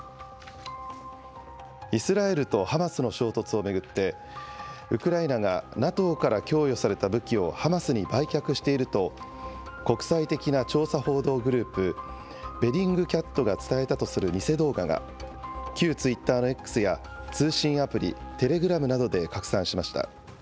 イスラエルとハマスの衝突を巡って、ウクライナがＮＡＴＯから供与された武器をハマスに売却していると、国際的な調査報道グループ、ベリングキャットが伝えたとする偽動画が、旧ツイッターのＸや通信アプリ、テレグラムなどで拡散しました。